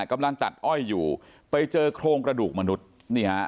กำลังตัดอ้อยอยู่ไปเจอโครงกระดูกมนุษย์นี่ฮะ